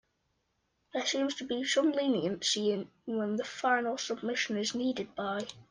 There seems to be some leniency in when the final submission is needed by.